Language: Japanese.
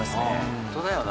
ホントだよな。